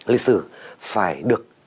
lịch sử phải được